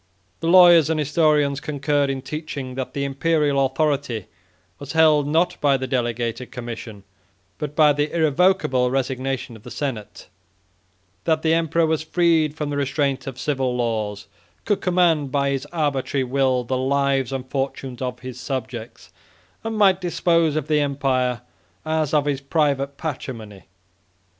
The lawyers and historians concurred in teaching, that the Imperial authority was held, not by the delegated commission, but by the irrevocable resignation of the senate; that the emperor was freed from the restraint of civil laws, could command by his arbitrary will the lives and fortunes of his subjects, and might dispose of the empire as of his private patrimony.